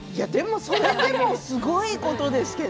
でもすごいことですけど。